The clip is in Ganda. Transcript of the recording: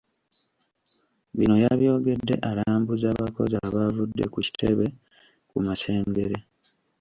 Bino yabyogedde alambuza abakozi abaavudde ku kitebe ku Masengere.